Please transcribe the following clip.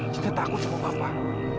jinnya takut sama bapak